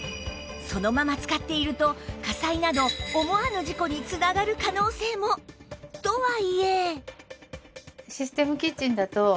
そのまま使っていると火災など思わぬ事故につながる可能性も。とはいえ